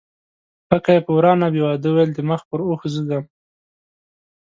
پکه یې په وراه نه بیوه، دې ویل د مخ پر اوښ زه ځم